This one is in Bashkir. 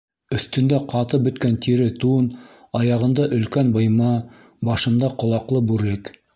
Өҫтөндә - ҡатып бөткән тире тун, аяғында - өлкән быйма, башында - ҡолаҡлы бүрек.